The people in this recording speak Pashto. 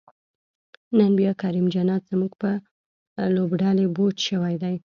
نن بیا کریم جنت زمونږ په لوبډلی بوج شوی دی